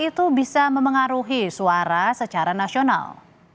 itu bisa memengaruhi suara secara nasional